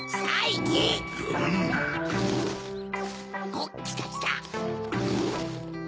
おっきたきた！